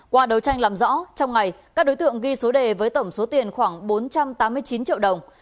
qua đấu tranh làm rõ trong ngày các đối tượng ghi số đề với tổng số tiền khoảng bốn trăm tám mươi chín triệu đồng